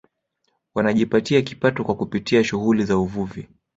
Wanajipatia kipato kwa kupitia shughuli za uvuvi